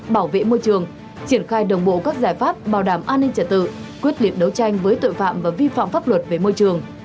bảo vệ môi trường triển khai đồng bộ các giải pháp bảo đảm an ninh trật tự quyết liệt đấu tranh với tội phạm và vi phạm pháp luật về môi trường